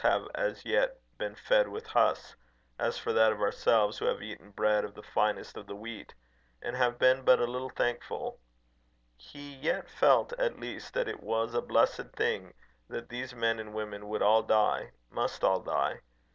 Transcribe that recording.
have as yet been fed with husks, as for that of ourselves, who have eaten bread of the finest of the wheat, and have been but a little thankful, he yet felt at least that it was a blessed thing that these men and women would all die must all die.